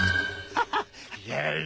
ハハッ！